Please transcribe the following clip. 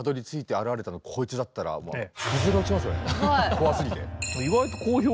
怖すぎて。